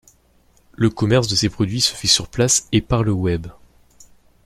Le commerce de ces produits se fait sur place et par le Web.